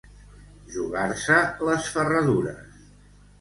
Jugar-se les ferradures.